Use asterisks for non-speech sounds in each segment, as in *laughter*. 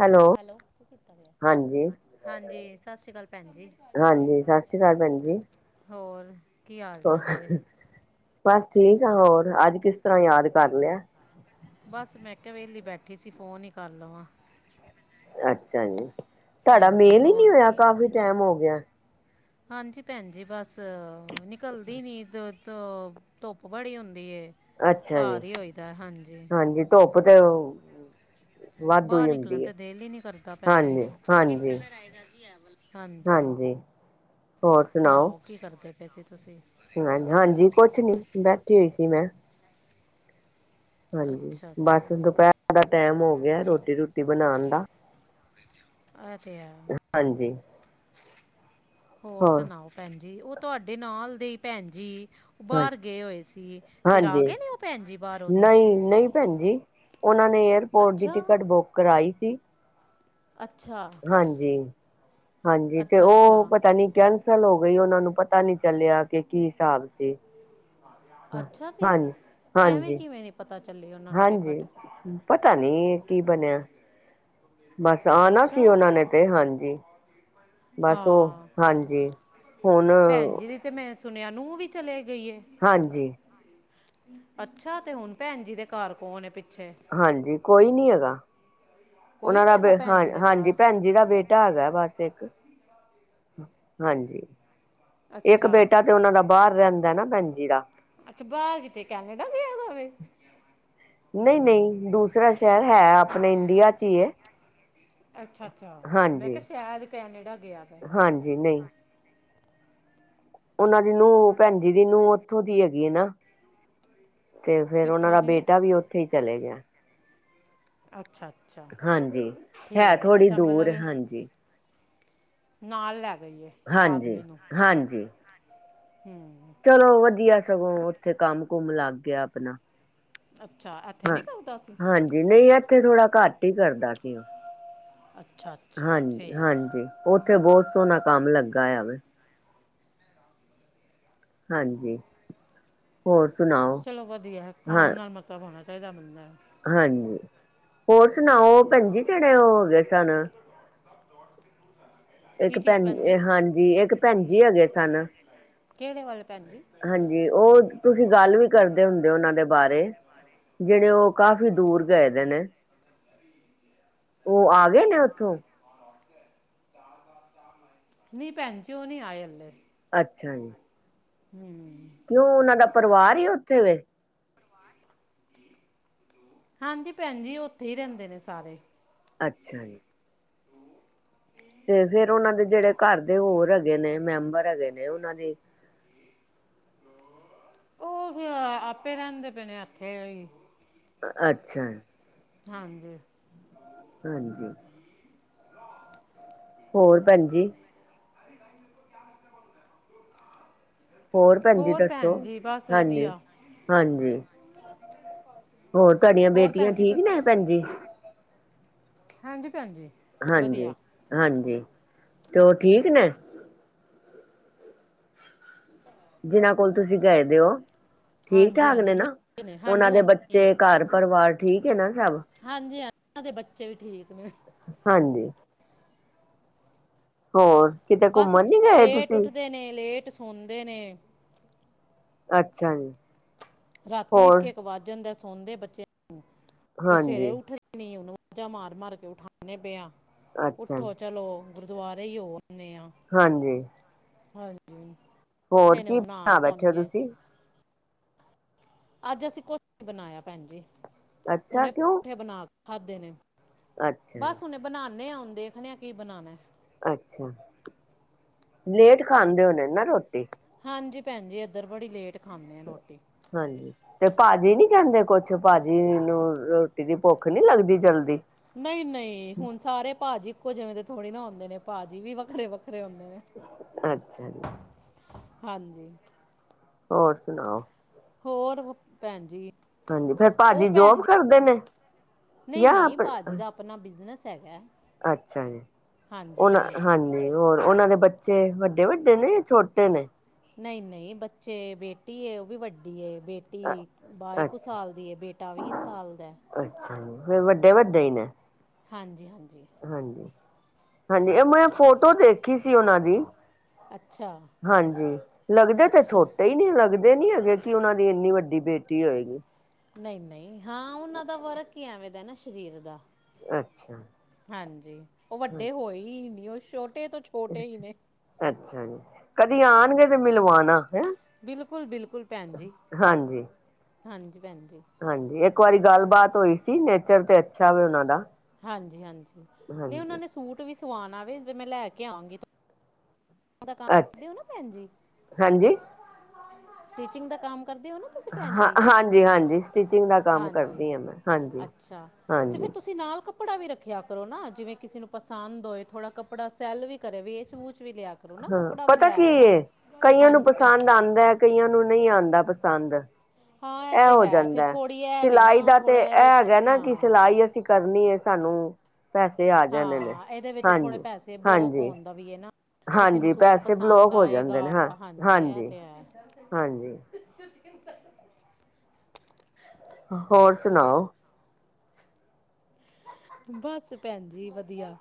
Hello, ਕੀ ਕੀਤਾ ਪਿਆ ਹਾਂਜੀ। ਹਾਂਜੀ ਸਤਿ ਸ਼੍ਰੀ ਅਕਾਲ ਭੈਣ ਜੀ ਹਾਂਜੀ ਸਤਿ ਸ੍ਰੀ ਅਕਾਲ ਭੈਣ ਜੀ ਹੋਰ ਕੀ ਹਾਲ ਚਾਲ ਜੇ ਬਸ ਠੀਕ ਆ ਹੋਰ ਅੱਜ ਕਿਸ ਤਰ੍ਹਾਂ ਯਾਦ ਕਰ ਲਿਆ ਬਸ ਮੈਂ ਕਿਹਾ ਵੇਲੀ ਬੈਠੀ ਸੀ ਫੋਨ ਹੀ ਕਰ ਲਵਾਂ ਅੱਛਾ ਜੀ ਤੁਹਾਡਾ ਹਾਂਜੀ ਮੇਲ ਹੀ ਨੀ ਹੋਰ ਹੋਇਆ ਕਾਫੀ ਟਾਈਮ ਹੋ ਗਿਆ ਹਾਂਜੀ ਭੈਣ ਜ ਬਸ ਨਿਕਲਦੀ ਨੀ ਧੁੱਪ ਬੜੀ ਹੁੰਦੀ ਅੱਛਾ ਜੀ ਘਰ ਹੀ ਹੋਈਦਾ ਹਾਂਜੀ ਧੁੱਪ ਤੇ ਵਾਧੂ ਬਾਹਰ ਹੀ ਨਿਕਲਣ ਹੁੰਦੀ ਹੈ ਤੇ ਦਿਲ ਹੀ ਨੀ ਕਰਦਾ ਭੈਣਜੀ। ਹਾਂਜੀ ਹਾਂਜੀ ਹਾਂਜੀ ਹੋਰ ਸੁਣਾਓ ਕੀ ਕਰਦੇ ਪਏ ਸੀ ਤੁਸੀਂ ਹ ਹਾਂਜੀ ਕੁਛ ਨੀ ਬੈਠੀ ਹੋਈ ਸੀ ਮੈਂ ਹਾਂਜੀ ਅੱਛਾ ਬਸ ਅੱਛਾ ਦੁਪਹਿਰ ਦਾ ਟਮ ਹੋ ਗਿਆ ਰੋਟੀ ਰੂਟੀ ਬਣਾਉਣ ਦਾ ਅਜਿਹਾ ਹਾਂਜੀ। ਹੋਰ ਸੁਨਾਓ ਭੈਣ ਜੀ? ਉਹ ਤੁਆਡੇ ਨਾਲ ਦੇ ਭੈਣ ਜੀ ਹਾਂਜੀ ਬਾਰ ਗਏ ਹੋਏ ਸੀ ਫੇਰ ਆ ਹਾਂਜੀ ਗਏ ਨੇ ਉਹ ਭੈਣ ਜੀ ਬਾਰੋ ਦੀ? ਭੈਣਜੀ ਉਹਨਾਂ ਨੇ ਏਅਰਪੋਰਟ ਦੀ ਅੱਛਾ ਟਿਕਟ ਬੁੱਕ ਕਰਾਈ ਸੀ। ਅੱਛਾ ਹਾਂਜੀ-ਹਾਂਜੀ, ਤੇ ਅੱਛਾ ਉ ਅੱਛਾ ਪਤਾ ਨੀ ਕੇਨ ਅਸਲ ਹੋ ਗਈ ਉਹਨਾਂ ਨੂੰ ਪਤਾ ਨੀ ਚੱਲਿਆ ਕਿ ਕੀ ਹਿਸਾਬ ਸੀ ਹਾਂ ਅੱਛਾ ਜੀ ਹਾਂਜੀ ਐਵੇਂ ਹਾਂਜੀ ਕਿਵੇਂ ਨਹੀ ਪਤਾ ਚੱਲੀ ਉਹਨਾਂ ਨੂੰ ਹਾਂਜੀ ਟਿਕਟ ਪਤਾ ਨੀ ਕੀ ਬਣਿਆ ਬਸ ਆਉਣਾ ਅੱਛਾ ਸੀ ਉਹਨਾਂ ਨੇ ਤੇ ਹਾਂਜੀ ਬਸ ਉਹ ਹਾਂ ਹਾਂਜੀ ਹੁਣ ਭੈਣ ਜੀ ਦੀ ਤੇ ਮੈਂ ਸੁਣਿਆ ਨੂੰਹ ਵੀ ਚਲੇ ਗਈ ਏ ਹਾਂਜੀ ਅੱਛਾ ਤੇ ਹੁਣ ਭੈਣ ਜੀ ਦੇ ਘਰ ਕੌਣ ਪਿੱਛੇ ਹਾਂਜੀ ਕੋਈ ਨੀ ਹੈਗਾ ਕੋਈ ਉਹਨਾਂ ਨਹੀਂ ਦਾ ਹੈਗਾ ਬੇ ਭੈਣ ਹਾਂ ਜੀ ਦੇ ਹਾਂਜੀ ਘਰ ਭੈਣ ਜੀ ਦਾ ਬੇਟਾ ਢਾਗਾ ਬਸ ਇੱਕ, ਹਾਂਜੀ ਇੱਕ ਅੱਛਾ ਬੇਟਾ ਤੇ ਉਹਨਾ ਦਾ ਬਾਹਰ ਰਹਿੰਦਾ ਨਾ ਭੈਨਜੀ ਦਾ ਅੱਛਾ, ਬਾਹਰ ਕਿਤੇ ਕੈਨੇਡਾ ਗਿਆ ਦਵੇਂ ਨਹੀਂ- ਨਹੀਂ ਦੂਸਰਾ ਸ਼ਹਿਰ ਹੈ ਆਪਣੇ ਇੰਡੀਆ ਚ ਹੀ ਹੈ। ਅੱਛਾ -ਅੱਛਾ ਮੈਂ ਹਾਂਜੀ ਕਿਹਾ ਸ਼ਹਿਦ ਕੈਨੇਡਾ ਗਿਆ ਪ ਹਾਂਜੀ ਨਹੀਂ ਉਹਨਾਂ ਦੀ ਨੂੰਹ ਭੈਣ ਜੀ ਦੀ ਨੂੰਹ ਉੱਥੋਂ ਦੀ ਹੈਗੀ ਆ ਨਾ- ਤੇ ਫਿਰ ਉਹਨਾਂ ਕਿੱਥੋਂ ਦਾ ਦੀ ਹੈ ਬੇਟਾ ਵੀ ਉੱਥੇ ਹੀ ਚਲੇ ਗਿਆ ਅੱਛਾ-ਅੱਛਾ ਹਾਂਜੀ ਠੀਕ ਹੈ, ਥੋੜ੍ਹੀ ਅੱਛਾ ਮਤਲਬ ਦੂਰ ਹਾਂਜੀ ਨਾਲ ਲੈ ਗਈਏ ਹਾਂਜੀ ਆਦਮੀ ਨੂੰ, ਹਾਂਜੀ ਹਮ ਚਲੋ ਵਧੀਆ ਸਗੋਂ ਉੱਥੇ ਕੰਮ ਕੁਮ ਲੱਗ ਗਿਆ ਆਪਣਾ ਅੱਛਾ। ਇੱਥੇ ਹਾਂ, ਨਹੀਂ ਕਰਦਾ ਸੀ ਹਾਂਜੀ ਨਹੀਂ ਇੱਥੇ ਥੋੜਾ ਘੱਟ ਹੀ ਕਰਦਾ ਸੀ ਉਹ ਅੱਛਾ ਅੱਛਾ ਹਾਂਜੀ ਠੀਕ ਹੈ -ਹਾਂਜੀ ਉੱਥੇ ਬਹੁਤ ਸੋਹਣਾ ਕੰਮ ਲੱਗਾ ਆ ਵਾ ਹਾਂਜੀ ਹੋਰ ਸੁਣਾਓ ਚਲੋ ਵਧੀਆ ਹੈ ਹਾਂ ਕੰਮ ਨਾਲ ਮਤਲਬ ਹੋਣਾ ਚਾਹੀਦਾ ਬੰਦਾ ਹਾਂਜੀ, ਹੋਰ ਸੁਣਾਓ ਭੈਣਜੀ *inaudible* ਇੱਕ ਕੀ ਭੈ ਚੀਜ਼ ਭੈਣ ਜੀ ਹਾਂਜੀ ਇੱਕ ਭੈਣ ਜੀ ਹੈਗੇ ਸਨ ਕਿਹੜੇ ਵੱਲ ਭੈਣ ਜੀ? ਹਾਂਜੀ ਉਹ, ਤੁਸੀਂ ਗੱਲ ਵੀ ਕਰਦੇ ਹੁੰਦੇ ਉਹਨਾਂ ਦੇ ਬਾਰੇ ਜਿਹੜੇ ਉਹ ਕਾਫੀ ਦੂਰ ਗਏ ਦੇ ਨੇ। ਹ ਉਹ ਆ ਗਏ ਨੇ ਉੱਥੋਂ ਨੀ ਭੈਣ ਜੀ, ਉਹ ਨਹੀ ਆਏ ਹਲੇ ਅੱਛਾ ਜੀ ਹਮ ਕਿਉਂ ਉਹਨਾਂ ਦਾ ਪਰਿਵਾਰ ਹੀ ਉੱਥੇ ਵੇ ਹਾਂਜੀ ਭੈਣ ਜੀ। ਉੱਥੇ ਹੀ ਰਹਿੰਦੇ ਨੇ ਸਾਰੇ ਅੱਛਾ ਜੀ। ਤੇ ਫੇਰ ਉਹਨਾਂ ਦੇ ਜਿਹੜੇ ਘਰ ਦੇ ਹੋਰ ਹਗੇ ਨੇ, ਮੈਂਬਰ ਹੈਗੇ ਨੇ, ਉਹਨਾਂ ਦੀ ਉਹ ਫੇਰ ਆ ਆਪੇ ਰਹਿੰਦੇ ਪਏ ਨੇ ਐਥੇ ਈ ਅੱਛਾ। ਹਾਂਜੀ। ਹਾਂਜੀ। *unintelligible* *unintelligible* ਹੋਰ ਭੈਣਜੀ ਸਰੇ ਟਾਈਮ ਮੇ ਧਿਆਨ ਰੱਖਣਾ ਪਦਾ *unintelligible* ਭੈਣ ਜੀ ਹੋਰ ਦੱਸੋ ਭੈਣ ਜੀ ਬਸ ਹਾਂਜੀ ਵਧੀਆ ਹਾਂਜੀ, ਹੋਰ ਤੁਹਾਡੀਆਂ ਹੋਰ ਬੇਟੀਆਂ ਭੈਣ ਜੀ ਠੀਕ ਤੁਸੀਂ ਨੇ ਭੈਣ ਜੀ। ਹਾਂਜੀ ਭੈਣਜੀ ਹਾਂਜੀ, ਹਾਂਜੀ ਤੇ ਉਹ ਠੀਕ ਨੇ। ਜਿਨਾਂ ਕੋਲ ਤੁਸੀਂ ਗਏ ਦੇ ਓ ਠੀਕ ਹਾਂਜੀ ਠਾਕ ਹਾਂਜੀ ਨੇ ਨਾ, ਠੀਕ ਨੇ ਹਾਂਜੀ ਉਹਨਾਂ ਦੇ ਹਾਂਜੀ ਠੀਕ ਬੱਚੇ ਘਰ ਪਰਿਵਾਰ ਠੀਕ ਏ ਨਾ ਸਬ ਹਾਂਜੀ ਹਾਂ, ਓਹਨਾ ਦੇ ਬੱਚੇ ਵੀ ਠੀਕ ਨੇ ਹਾਂਜੀ। ਹੋਰ ਕਿਤੇ ਬਸ ਘੁੰਮਣ ਨੀ ਗਏ ਲੇਟ ਤੁਸੀਂ ਉੱਠਦੇ ਨੇ ਲੇਟ ਸੌੰਦੇ ਨੇ ਅੱਛਾ ਜੀ। ਰਾਤੀ ਹੋਰ ਇੱਕ-ਇੱਕ ਵੱਜ ਜਾਂਦਾ ਸੌਦੇ ਬੱਚੇ, ਫਿਰ ਸਵੇਰੇ ਹਾਂਜੀ ਉੱਠ ਨੀ ਉਹਨੂੰ ਵਾਜਾ ਮਾਰ ਮਾਰ ਕੇ ਉਠਾਨੇ ਪੇ ਆ, ਅੱਛਾ ਜੀ, ਉੱਠੋ ਚਲੋ ਗੁਰਦੁਆਰੇ ਈ ਹੋ ਆਨੇ ਆ ਹਾਂਜੀ। ਹਾਂਜੀ, ਹੋਰ ਉਠੇ ਨੇ ਕੀ ਹੁਨ ਬਣਾ ਨਹਾਨ ਬੈਠੇ ਹੋ ਧੌਨਗੇ ਤੁਸੀਂ ਅੱਜ ਅਸੀਂ ਕੁਛ ਨੀ ਬਣਾਇਆ ਭੈਣਜੀ ਅੱਛਾ ਹੁਣੇ ਕਿਉਂ *unintelligible* ਬਣਾ ਕੇ ਖਾਦੇ ਨੇ ਅੱਛਾ ਬਸ ਜੀ ਹੁਨੇ ਬਣਾਨੇ ਆ ਹੁਣ ਦੇਖਣੇ ਆ ਕੀ ਬਣਾਣਾ ਅੱਛਾ, ਲੇਟ ਖਾਂਦੇ ਹੋਣੇ ਨਾ ਰੋਟੀ ਹਾਂਜੀ, ਭੈਣਜੀ ਇੱਧਰ ਬੜੀ ਲੇਟ ਖਾਂਦੇ ਆ ਰੋਟੀ ਹਾਂਜੀ, ਤੇ ਭਾਜੀ ਨੀ ਕਹਿੰਦੇ ਕੁਛ ਭਾਜੀ ਨੂੰ ਰੋਟੀ ਦੀ ਭੁੱਖ ਨੀ ਲੱਗਦੀ ਜਲਦੀ ਨਈ-ਨਈ ਹੁਣ ਸਾਰੇ ਭਾਜੀ ਇੱਕੋ ਜਿਵੇਂ ਦੇ ਥੋੜ੍ਹੀ ਨਾ ਹੁੰਦੇ ਨੇ, ਭਾਜੀ ਵੀ ਵੱਖਰੇ-ਵੱਖਰੇ ਹੁੰਦੇ ਨੇ ਅੱਛਾ ਜੀ। ਹਾਂਜੀ। ਓਰ ਸੁਣਾਓ ਹੋਰ ਭੈਣ ਜੀ ਹਾਂਜੀ ਫੇਰ ਭਾਜੀ ਜੋਬ ਕਰਦੇ ਨੇ ਜਾਂ ਨਈ-ਨਈ ਭਾਜੀ ਦਾ ਆਪਣਾ ਬਿਜਨਸ ਹੈਗਾ ਅੱਛਾ ਜੀ, ਹਾਂਜੀ ਉਹਨਾਂ ਭੈਣ ਜੀ ਹਾਂਜੀ ਹੋਰ ਉਹਨਾਂ ਦੇ ਬੱਚੇ ਵੱਡੇ-ਵੱਡੇ ਨੇ ਯਾ ਛੋਟੇ ਨੇ ਨਈ-ਨਈ ਬੱਚੇ ਬੇਟੀ ਏ ਉਹ ਵੀ ਵੱਡੀ ਏ ਬੇ ਟੀ ਬਾਈ ਕੁ ਅੱਛਾ ਸਾਲ ਦੀ ਏ, ਬੇਟਾ ਵੀ ਸਾਲ ਦਾ। ਅੱਛਾ ਜੀ, ਫਿਰ ਵੱਡੇ-ਵੱਡੇ ਈ ਨੇ ਹਾਂਜੀ-ਹਾਂਜੀ। ਹਾਂਜੀ, ਹਾਂਜੀ ਇਹ ਮੈਂ ਫੋਟੋ ਦੇਖੀ ਸੀ ਉਹਨਾਂ ਦੀ ਅੱਛਾ ਹਾਂਜੀ, ਲੱਗਦੇ ਤੇ ਅੱਛਾ ਛੋਟਾ ਈ ਨੇ ਲੱਗਦੇ ਦੇ ਨੀ ਹੈਗੇ ਕਿ, ਉਹਨਾਂ ਦੀ ਇੰਨੀ ਵੱਡੀ ਬੇਟੀ ਹੋਏਗੀ। ਨਈ-ਨਈ, ਹਾਂ ਉਹਨਾਂ ਦਾ ਵਰਕ ਈ ਐਵੇਂ ਦਾ ਨਾ ਸ਼ਰੀਰ ਦਾ। ਅੱਛਾ ਹਾਂਜੀ, ਉਹ ਵੱਡੇ ਹੋਏ ਈ ਨੀ, ਉਹ ਛੋਟੇ ਤੋਂ ਛੋਟੇ ਈ ਨੇ। ਅੱਛਾ ਜੀ, ਕਦੇ ਆਣਗੇ ਤੇ ਮਿਲਵਾਣਾ। ਹੈ ਬਿਲਕੁਲ ਬਿਲਕੁਲ, ਭੈਨ ਜੀ ਹਾਂਜੀ ਹਾਂਜੀ ਭੈਨ ਜੀ। ਹਾਂਜੀ, ਇੱਕ ਵਾਰੀ ਗੱਲਬਾਤ ਹੋਈ ਸੀ ਨੇਚਰ ਤੇ ਅੱਛਾ ਵੇ ਉਹਨਾਂ ਦਾ ਹਾਂਜੀ-ਹਾਂਜੀ, ਨਹੀਂ ਉਹਨਾਂ ਹਾਂਜੀ ਨੇ ਸੂਟ ਵੀ ਸਵਾਣਾ ਵੇ ਮੈਂ ਲੈ ਕੇ ਆਵਾਂਗੀ ਤ ਦਾਮ ਅੱਛਾ ਕਰਦੇ ਹੋ *unintelligible* ਨਾ, ਭੈਨ ਜੀ ਹਾਂਜੀ ਸਟਿਚਿੰਗ ਦਾ ਕੰਮ ਕਰਦੇ ਹੋ ਨਾ। ਤੁਸੀਂ ਭੈਣ ਹਾਂ, ਜੀ ਹਾਂਜੀ-ਹਾਂਜੀ, ਸਟਿਚਿੰਗ ਦਾ ਕੰਮ ਹਾਂਜੀ ਕਰਦੀ ਆ ਮੈਂ ਹਾਂਜੀ। ਅੱਛਾ ਤੇ ਫੇਰ ਹਾਂਜੀ ਤੁਸੀਂ ਨਾਲ ਕ ਕੱਪੜਾ ਵੀ ਰੱਖਿਆ ਕਰੋ ਨਾ, ਜਿਵੇਂ ਕਿਸੇ ਨੂੰ ਪਸੰਦ ਹੋਏ ਥੋੜਾ ਕੱਪੜਾ ਸੈੱਲ ਵੀ ਕਰੇ ਵੇਚ-ਵੂਚ ਵੀ ਲਿਆ ਕਰੋ ਨਾ ਹਾਂ, ਕੱਪੜਾ ਵੀ ਪਤਾ ਲੈ ਕੀ ਆਓ ਨਾ ਏ, ਕਈਆਂ ਨੂੰ ਹਾਂਜੀ ਭੈਣ ਪਸੰਦ ਆਂਦਾ ਐ, ਕਈਆਂ ਨੂੰ ਨਈ ਆਂਦਾ ਪਸੰਦ। ਹਾਂ ਇਹ ਤੇ ਹੋ ਹੈ ਫਿਰ ਜਾਂਦਾ, ਥੋੜ੍ਹੀ ਐ ਵੇ ਸਿਲਾਈ ਨਾ ਦਾ ਤੇ ਥੋੜ੍ਹਾ ਇਹ ਇਹਦੇ 'ਚ ਹੈਗਾ ਨਾ ਕਿ ਹਾਂ ਸਿਲਾਈ ਅਸੀਂ ਕਰਨੀ ਏ ਸਾਨੂੰ ਪੈਸੇ ਆ ਜਾਂਦੇ ਨੇ ਹਾਂ, ਇਹਦੇ ਵਿੱਚ ਥੋੜੇ ਹਾਂਜੀ ਪੈਸੇ ਬਲੋਕ ਹਾਂਜੀ ਹੋਣ ਦਾ ਵੀ ਏ ਨਾ ਕਿਸੇ ਨੂੰ ਹਾਂਜੀ ਸੂਟ ਪੈਸੇ ਬਲੋਕ ਪਸੰਦ ਹੋ ਜਾਂਦੇ ਆਏਗਾ, ਨੇ ਹਾਂ ਹਾਂਜੀ ਇਹ ਤੇ ਹੈ ਹਾਂਜੀ ਚ *unintelligible* ਹੋਰ ਸੁਣਾਓ? ਬਸ ਭੈਨ ਜੀ ਵਧੀਆ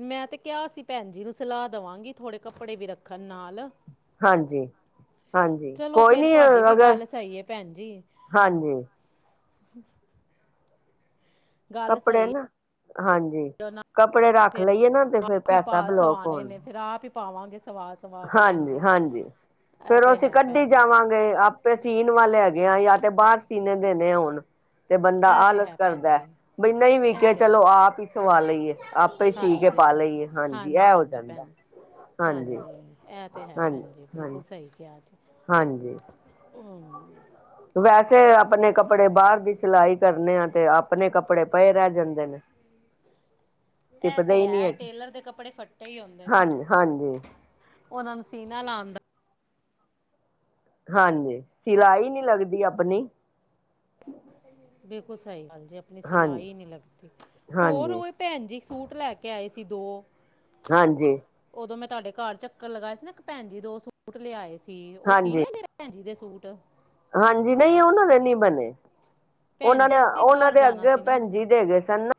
ਮੈਂ ਤੇ ਕਿਹਾ ਸੀ ਭੈਣ ਜੀ ਨੂੰ ਸਲਾਹ ਦੇਵਾਂਗੀ ਥੋੜੇ ਕੱਪੜੇ ਵੀ ਰੱਖਣ ਨਾਲ ਹਾਂਜੀ, ਹਾਂਜੀ ਚਲੋ ਕੋਈ ਫੇਰ ਨੀ ਤੁਹਾਡੀ ਵੀ ਅਗਰ ਗੱਲ ਸਹੀ ਹੈ ਭੈਨ ਜੀ ਹਾਂਜੀ ਗੱਲ ਕੱਪੜੇ ਸਹੀ ਨਾ ਹਾਂਜੀ ਹੈ ਨਾ ਕੱਪੜੇ ਰੱਖ ਫਿਰ ਲਈਏ ਨਾ ਤੇ ਫਿਰ ਆਪ ਹੀ ਪਾ ਪੈਸਾ ਬਲੋਕ ਸਵਾਣੇ ਨੇ, ਫੇਰ ਆਪ ਹੀ ਪਾਵਾਂਗੇ ਸਵਾ ਸਵਾ ਕੇ ਭੈਣ ਜੀ ਹਾਂਜੀ-ਹਾਂਜੀ, ਇਹ ਫੇਰ ਉਹ ਤੇ ਅਸੀਂ ਹੈ ਕੱਢੀ ਭੈਣ ਜੀ ਜਾਵਾਂਗੇ ਆ ਪੇ ਸੀਣ ਵਾਲੇ ਹੈਗੇ ਆ, ਜਾਂ ਤੇ ਬਾਹਰ ਸੀਨੇ ਦੇਣੇ ਆ ਹੁਣ। ਤੇ ਬੰਦਾ ਇਹ ਤੇ ਆਲਸ ਹੈ ਭੈਣ ਕਰਦਾ ਜੀ ਬਈ ਨਹੀਂ ਇਹ ਵੀੇਖਿਆ ਤੇ ਚਲੋ, ਆਪ ਹੀ ਸਵਾ ਲਈਏ ਆਪ। ਪੇ ਈ ਸੀ ਕੇ ਹਾਂਜੀ ਪਾ ਹਾਂਜੀ ਲਈਏ, ਹਾਂਜੀ ਐਹ ਹੋ ਹਾਂਜੀ ਜਾਂਦਾ ਭੈਣ ਜੀ ਹਾਂਜੀ। ਇਹ ਤਾਂ ਹੈ ਹਾਂਜੀ ਭੈਣ ਜੀ, ਬਿਲਕੁਲ ਹਾਂਜੀ ਸਹੀ ਕਿਹਾ ਜ ਹਾਂਜੀ ਹੂੰ, *unintelligible* ਵੈਸੇ ਆਪਣੇ ਕੱਪੜੇ ਬਾਹਰ ਦੀ ਸਿਲਾਈ ਕਰਨੇ ਆ, ਤੇ ਆਪਣੇ ਕੱਪੜੇ ਪਏ ਰਹਿ ਜਾਂਦੇ ਨੇ। ਐਹ ਸਿਪਦੇ ਤੇ ਹੀ ਨਹੀਂ ਹੈ ਹੈਗੇ ਟੇਲਰ ਦੇ ਕੱਪੜੇ ਫੱਟੇ ਈ ਹੁੰਦੇ ਨੇ ਹਾਂਜੀ ਹਾਂਜੀ ਉਹਨਾ ਨੂੰ ਸੀਨਾ ਲਾਂ ਦਾ ਹਾਂਜੀ, ਸਿਲਾਈ ਨੀ ਲੱਗਦੀ ਆਪਨੀ ਬਿਲਕੁਲ ਸਹੀ ਗੱਲ ਜੀ, ਆਪਣੀ ਹਾਂਜੀ ਸਿਲਾਈ ਨੀ ਲੱਗਦੀ ਹੋਰ ਹਾਂਜੀ ਉ ਭੈਬ ਜੀ ਸੂਟ ਲੈ ਕੇ ਆਏ ਸੀ ਦੋ, ਹਾਂਜੀ ਉਦੋਂ ਮੈਂ ਤੁਹਾਡੇ ਘਰ ਚੱਕਰ ਲਗਾਇਆ ਸੀ, ਨਾ ਇੱਕ ਭੈਨ ਜੀ ਦੋ ਸੂਟ ਲਿਆਏ ਸੀ ਉਹ ਸੀ ਹਾਂਜੀ ਲੈ ਜੇ ਭੈਨ ਜੀ ਦੇ ਸੂਟ ਹਾਂਜੀ, ਨਹੀਂ ਉਹਨਾਂ ਦੇ ਨੀ ਬਣੇ ਭੈਣ ਉਹਨਾਂ ਜੀ ਨੇ ਵੀ ਉਹਨਾਂ ਬਾਹਰ ਦੇ ਜਾਣਾ ਅੱਗੇ ਸੀ ਨਾ ਭੈਨਜੀ ਦੇ ਹੈਗੇ ਸਨ।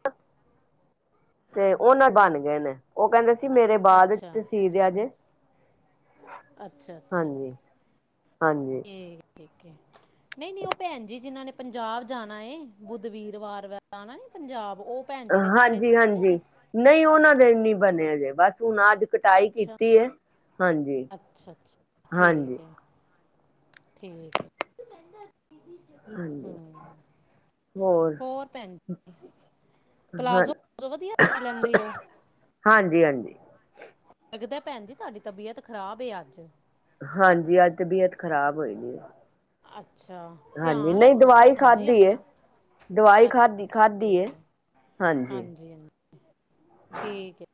ਤੇ ਉਹ ਨਾ ਬਣ ਗਏ ਨੇ, ਉਹ ਕਹਿੰਦੇ ਸੀ ਮੇਰੇ ਬਾਅਦ ਤਸੀਦ ਆ ਜੇ। ਅੱਛਾ-ਅੱਛਾ ਹਾਂਜੀ ਹਾਂਜੀ ਠੀਕ-ਠੀਕ ਹੈ। *unintelligible* ਨਹੀਂ-ਨਹੀਂ, ਉਹ ਭੈਨ ਜੀ ਜਿਨਾਂ ਨੇ ਪੰਜਾਬ ਜਾਣਾ ਏ ਬੁੱਧਵੀਰ ਵਾਰ ਆਣਾ ਨੀ ਪੰਜਾਬ ਉਹ ਭੈਣ ਜੀ ਦੇ ਕੱਪੜੇ ਹਾਂਜੀ ਸਿਤੇ ਹੋਏ *unintelligible* ਹਾਂਜੀ ਨੇ। ਨਹੀਂ ਉਹਨਾਂ ਦੇ ਨੀ ਬਣੇਜੇ ਬਸ ਹੁਣ ਅੱਜ, ਕਟਾਈ ਅੱਛਾ ਕੀਤੀ ਹੈ, ਅੱਛਾ ਅੱਛਾ ਹਾਂਜੀ-ਹਾਂਜੀ ਠੀਕ ਹੈ ਠੀਕ ਹੈ ਹਾਂਜੀ ਹੂੰ ਹੋਰ ਭੈਣ ਹਾਂ ਪਲਾਜ਼ੋ ਵਧੀਆ, ਬਣਾ ਲੈਂਦੇ ਓ ਹਾਂਜੀ-ਹਾਂਜੀ ਲੱਗਦਾ ਭੈਣ ਜੀ, ਤੁਹਾਡੀ ਤਬੀਅਤ ਖ਼ਰਾਬ ਏ ਅੱਜ ਹਾਂਜੀ, ਅੱਜ ਤਬੀਅਤ ਖ਼ਰਾਬ ਹੋਈਗੀ। ਅੱਛਾ, ਧਿਆਨ ਰੱਖੋ ਦਵਾਈ ਭੈਣਜੀ ਖਾਧੀ ਏ ਆਪਣਾ, ਦਵਾਈ ਅੱਛਾ ਖਾਧੀ ਖਾਧੀ ਏ ਠੀਕ ਆ ਹਾਂਜੀ ਹਾਂਜੀ-ਹਾਂਜੀ ਠੀਕ ਹੈ।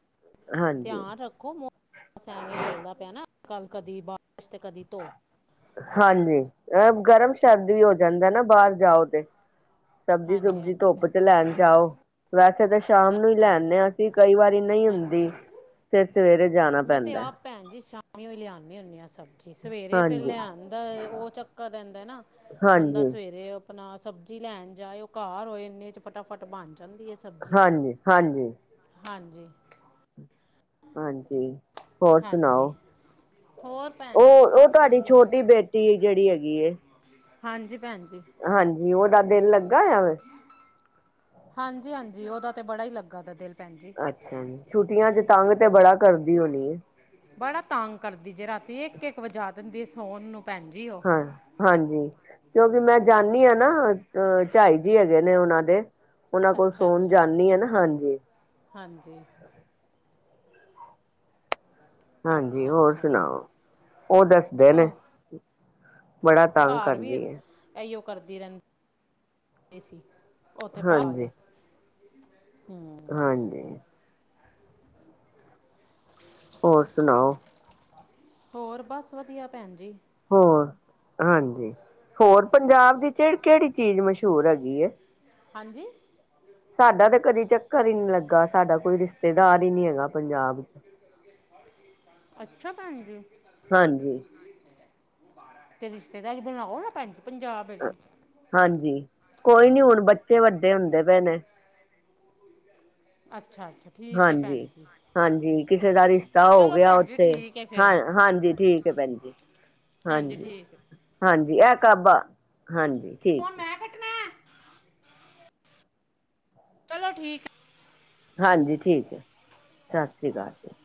ਹਾਂਜੀ ਧਿਆਨ ਰੱਖੋ ਮੌਸਮ ਐਵੇਂ ਚੱਲਦਾ ਪਿਆ ਨਾ ਅੱਜ ਕੱਲ ਕਦੀ ਬਾਰਿਸ਼ ਤੇ ਕਦੀ ਧੋ ਹਾਂਜੀ ਅ ਗਰਮ ਸ਼ਰਦ ਵੀ ਹੋ ਜਾਂਦਾ ਨਾ ਬਾਹਰ ਜਾਓ ਤੇ ਸਬਜ਼ੀ ਹਾਂਜੀ ਸੁਬਜੀ ਹਾਂਜੀ ਧੁੱਪ ਭੈਣ ਚ ਲੈਣ ਜਾਓ ਵੈਸੇ ਤਾਂ ਸਹੀ ਸ਼ਾਮ ਨੂੰ ਹੀ ਲੈ ਗੱਲ ਹੈ ਆਨੇ ਆਂ ਹਾਂ ਅਸੀਂ ਕਈ ਵਾਰੀ ਨਹੀਂ ਹੁੰਦੀ ਹਾਂਜੀ ਫਿਰ ਸਵੇਰੇ ਜਾਣਾ ਪ ਮੈਂ ਤੇ ਆਪ ਭੈਨ ਜੀ ਸ਼ਾਮੀ ਓ ਲਿਆਉਨੀ ਹੁੰਨੀ ਹਾਂ ਸਭ ਜੀ ਸਵੇਰੇ ਫਿਰ ਹਾਂਜੀ ਲਿਆਦਾ ਉਹ ਚੱਕਰ ਰਹਿੰਦਾ ਨਾ ਬੰਦਾ ਹਾਂਜੀ ਸਵੇਰੇ ਆਪਣਾ ਸਬਜ਼ੀ ਲੈਣ ਜਾਏ ਉਹ ਘਰ ਹੋਏ ਇੰਨੇ 'ਚ ਫਟਾਫਟ ਬਣ ਜਾਂਦੀ ਐ ਸ ਹਾਂਜੀ-ਹਾਂਜੀ ਹਾਂਜੀ ਹਾਂਜੀ ਹੋਰ ਹਾਂਜੀ ਸੁਣਾਓ ਹੋਰ ਭੈ ਉਹ-ਉਹ ਤੁਹਾਡੀ ਛੋਟੀ ਬੇਟੀ ਜਿਹੜੀ ਹੈਗੀ ਏ। ਹਾਂਜੀ ਭੈਣ ਜੀ- ਹਾਂਜੀ ਉਹਦਾ ਦਿਲ ਲੱਗਾ ਹੋਇਆ ਵੇ ਹਾਂਜੀ-ਹਾਂਜੀ ਉਹਦਾ ਤੇ ਬੜਾ ਹੀ ਲੱਗਾ ਦਾ ਦਿਲ ਭੈਣ ਜੀ ਅੱਛਾ ਜੀ ਛੁੱਟੀਆਂ ਚ ਤੰਗ ਤੇ ਬੜਾ ਕਰਦੀ ਹੋਣੀ ਬੜਾ ਤੰਗ ਕਰਦੀ ਜੇ ਰਾਤੀ ਇੱਕ-ਇੱਕ ਵਜਾ ਦਿੰਦੀ ਸੋਹਣ ਨੂੰ ਭੈਣਜੀ ਓ ਹਾਂ ਹਾਂਜੀ ਕਿਉਂਕਿ ਮੈਂ ਜਾਂਦੀ ਹਾਂ ਨਾ ਅਹ ਝਾਈ ਜੀ ਹੈਗੇ ਨੇ ਉਹਨਾਂ ਦੇ ਉਹਨਾਂ ਕੋਲ ਅੱਛਾ ਸੋਣ ਅੱਛਾ ਜਾਨੀ ਆ ਨਾ ਹਾਂਜੀ ਹਾਂਜੀ ਹਾਂਜੀ ਅੱਛਾ ਹੋਰ ਅੱਛਾ ਸੁਣਾਓ ਉਹ ਦੱਸਦੇ ਨੇ ਹੋ ਬੜਾ ਤੰਗ ਘਰ ਵੀ ਕਰਦੀ ਹੈ ਇਹੀਓ ਕਰਦੀ ਰਹਿੰਦੀ ਸੀ ਉੱਥੇ ਬਾਹਰੇ ਹਾਂਜੀ ਹਮ ਹਾਂਜੀ ਹੋਰ ਸੁਣਾਓ ਹੋਰ ਬਸ ਵਧੀਆ ਭੈਣ ਜੀ ਹੋਰ, ਹਾਂਜੀ ਹੋਰ ਪੰਜਾਬ ਦੀ ਕਿਹੜੀ-ਕਿਹੜੀ ਚੀਜ਼ ਮਸ਼ਹੂਰ ਹੈਗੀ ਹੈ ਹਾਂਜੀ ਸਾਡਾ ਤਾਂ ਕਦੇ ਚੱਕਰ ਹੀ ਨੀ ਲੱਗਾ, ਸਾਡਾ ਕੋਈ ਰਿਸ਼ਤੇਦਾਰ ਹੀ ਨੀ ਹੈਗਾ ਪੰਜਾਬ ਚ ਅੱਛਾ ਭੈਣ ਜੀ ਹਾਂਜੀ ਤੇ ਰਿਸ਼ਤੇਦਾਰੀ ਬਣਾਓ ਨਾ ਭੈਣਜੀ ਪੰਜਾਬ ਵਿੱਚ ਹਾਂਜੀ, ਕੋਈ ਨੀ ਹੁਣ ਬੱਚੇ ਵੱਡੇ ਹੁੰਦੇ ਪਏ ਨੇ ਅੱਛਾ-ਅੱਛਾ ਠੀਕ ਹੈ ਭੈਣ ਹਾਂਜੀ ਜੀ ਹਾਂਜੀ ਕਿਸੇ ਦਾ ਰਿਸ਼ਤਾ ਹੋ ਚਲੋ ਗਿਆ ਭੈਣ ਜੀ ਉੱਥੇ ਠੀਕ ਹੈ ਹਾਂ, ਫਿਰ ਹਾਂਜੀ ਠੀਕ ਹੈ ਭੈਣ ਜੀ ਹਾਂਜੀ ਠੀਕ। ਹੈ ਹਾਂਜੀ, ਇਹ ਕਾਬਾ ਹਾਂਜੀ ਠੀਕ ਫੋਣ ਮੈਂ ਕੱਟਣਾ ਹੈ, ਚਲੋ ਠੀਕ ਹਾਂਜੀ ਠੀਕ ਹੈ, ਸਤਿ ਸ੍ਰੀ ਅਕਾਲ ਜੀ।